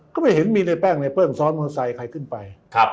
ก็ไม่เห็นมีในแป้งในเปิ้ลซ้อนมอเตอร์ไซค์ใครขึ้นไป